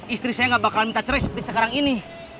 istri saya gak bakalan minta cerai seperti sekarang ini